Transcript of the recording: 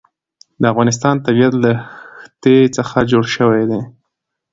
د افغانستان طبیعت له ښتې څخه جوړ شوی دی.